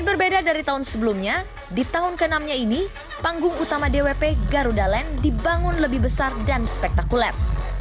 berbeda dari tahun sebelumnya di tahun ke enam nya ini panggung utama dwp garuda land dibangun lebih besar dan spektakuler